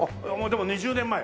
でも２０年前。